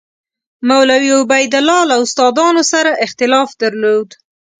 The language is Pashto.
مولوي عبیدالله له استادانو سره اختلاف درلود.